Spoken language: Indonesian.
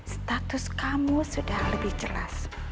status kamu sudah lebih jelas